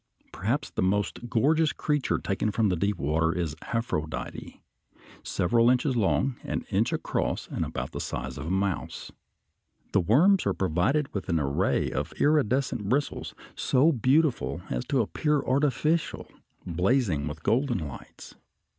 Perhaps the most gorgeous creature taken from deep water is Aphrodite, several inches long, an inch across, and about the size of a mouse. The worms are provided with an array of iridescent bristles, so beautiful as to appear artificial, blazing with golden lights.